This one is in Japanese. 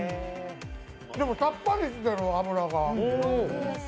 でも、さっぱりしてる、脂が。